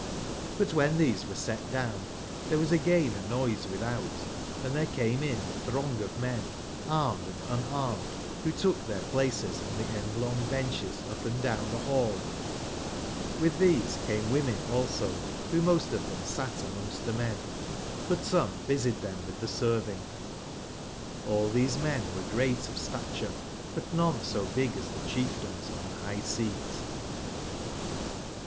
Butwhen these were set down, there was again a noise without, and there came in a throng of men armed and unarmed who took their places on the endlong benches up & down the hall ; with these came women also, who most of them sat amongst themen, butsome busied them with the serving: all these men were great of stature, but none so b ig as the chieftains on the high/seat.